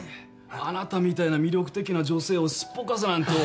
あなたみたいな魅力的な女性をすっぽかすなんて。